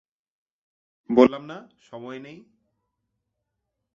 বললাম না সময় নেই!